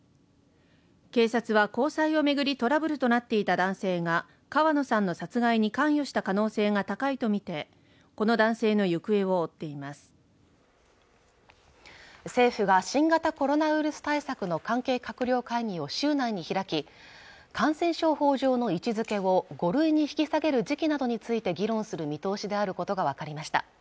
警察は交際を巡りトラブルとなっていた男性が川野さんの殺害に関与した可能性が高いと見てこの男性の行方を追っています政府が新型コロナウイルス対策の関係閣僚会議を週内に開き感染症法上の位置づけを５類に引き下げる時期などについて議論する見通しであることが分かりました